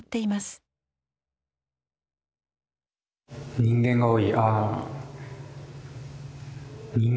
ああ人間が多い。